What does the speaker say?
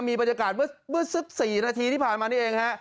มีบรรยากาศเพื่อนประมาณนี้เองฮะ